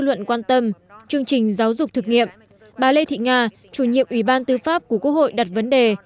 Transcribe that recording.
tại phiên thảo luận quan tâm chương trình giáo dục thực nghiệm bà lê thị nga chủ nhiệm ủy ban tư pháp của quốc hội đặt vấn đề